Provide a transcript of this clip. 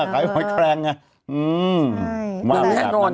ขายหอยแกรงไง